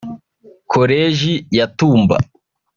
Koleji ya Tumba